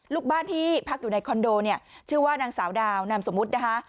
ลูกบ้านที่พักอยู่ในคอนโดเนี่ยชื่อว่านางสาวดาวนามสมมุตินะคะ